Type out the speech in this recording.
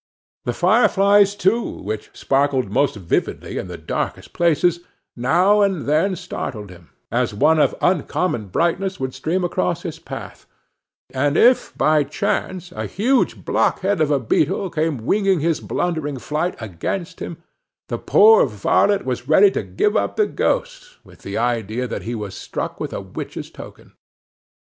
The fireflies, too, which sparkled most vividly in the darkest places, now and then startled him, as one of uncommon brightness would stream across his path; and if, by chance, a huge blockhead of a beetle came winging his blundering flight against him, the poor varlet was ready to give up the ghost, with the idea that he was struck with a witch's token.